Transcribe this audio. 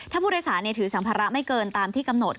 ถ้าผู้โดยสารถือสัมภาระไม่เกินตามที่กำหนด